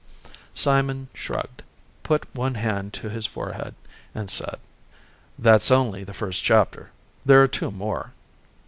Simon shrugged, put one hand to his forehead and said, "That's only the first chapter. There are two more."